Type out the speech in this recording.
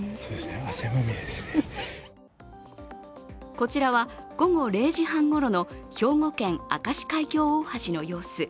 こちらは午後０時半ごろの兵庫県明石海峡大橋の様子。